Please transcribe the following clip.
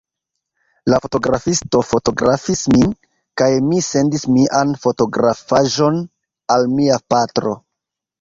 La fotografisto fotografis min, kaj mi sendis mian fotografaĵon al mia patro.